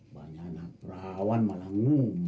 banyak anak perawan malah ngumpet